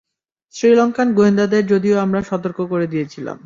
Sri Lankan গোয়েন্দাদের যদিও আমরা সতর্ক করে দিয়েছিলাম।